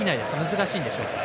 難しいんでしょうか？